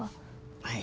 はい。